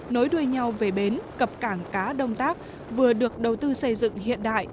nối đuôi nhau về bến cập cảng cá đông tác vừa được đầu tư xây dựng hiện đại